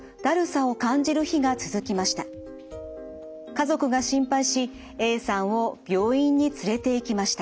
家族が心配しＡさんを病院に連れていきました。